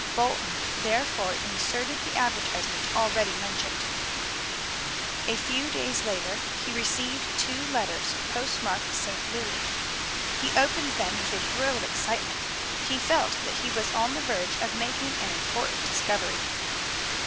Bolton therefore inserted the advertisement already mentioned. A few days later he received two letters post marked St. Louis. He opened them with a thrill of excitement. He felt that he was on the verge of making an important discovery.